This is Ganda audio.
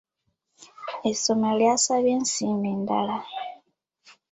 Essomero lyasabye ensimbi endala.